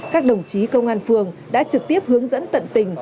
các đồng chí công an phường đã trực tiếp hướng dẫn tận tình